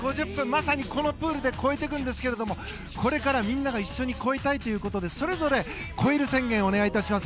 まさにこのプールで超えてくるんですがこれからみんなが一緒に超えたいということでそれぞれ、超える宣言をお願いします。